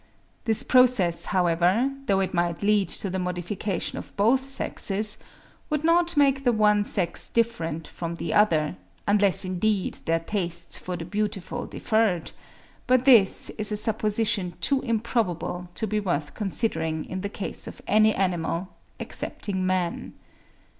This process, however, though it might lead to the modification of both sexes, would not make the one sex different from the other, unless indeed their tastes for the beautiful differed; but this is a supposition too improbable to be worth considering in the case of any animal, excepting man.